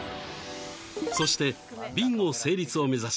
そしてビンゴ成立を目指し